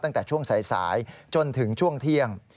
ตั้งแต่ช่วงสายจนถึงช่วงเที่ยง